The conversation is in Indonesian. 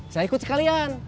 saya ikut sekalian